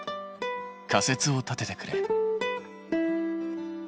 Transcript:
仮説を立ててくれ。